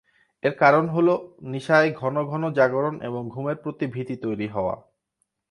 এর কারণ হলো নিশায় ঘন ঘন জাগরণ এবং ঘুমের প্রতি ভীতি তৈরী হওয়া।